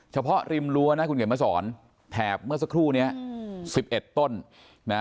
เฉพาะลิมรั้วคุณเกดมาสอนแทบเมื่อสักครู่นี้๑๑ต้น